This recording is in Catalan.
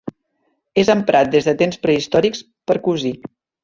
És emprat des de temps prehistòrics per cosir.